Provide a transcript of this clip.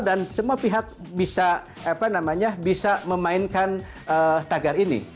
dan semua pihak bisa memainkan tagar ini